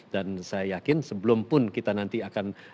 dan saya yakin sebelum pun kita nanti akan